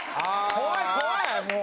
怖い怖いもう。